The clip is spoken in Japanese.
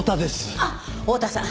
あっ太田さん！